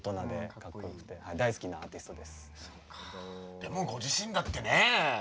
でもご自身だってねぇ。